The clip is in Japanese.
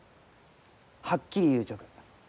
はっきり言うちょく。